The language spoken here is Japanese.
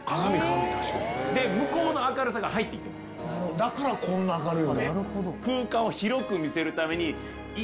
だからこんな明るいんだ。